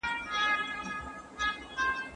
که ماشوم خپل احساسات څرګند نسي کړی نو غوسه کیږي.